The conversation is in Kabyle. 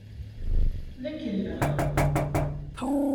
D akellex!